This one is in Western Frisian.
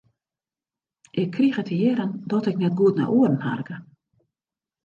Ik krige te hearren dat ik net goed nei oaren harkje.